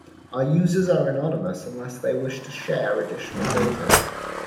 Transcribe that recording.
Our users are anonymous unless they wish to share additional data.